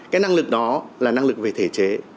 cái năng lực đó là năng lực về thể chế